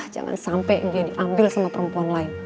jangan sampai dia diambil sama perempuan lain